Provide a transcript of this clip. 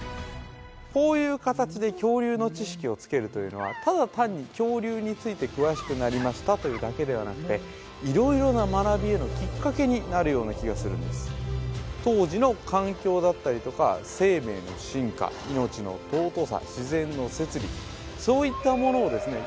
こういう形で恐竜の知識をつけるというのはただ単に恐竜について詳しくなりましたというだけではなくて色々な学びへのきっかけになるような気がするんです当時の環境だったりとか生命の進化命の尊さ自然の摂理そういったものをですね